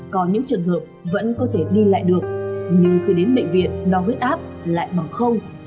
có những trường hợp vẫn có thể đi lại được nhưng khi đến bệnh viện đo huyết áp lại bằng không